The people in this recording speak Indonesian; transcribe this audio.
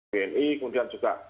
bni kemudian juga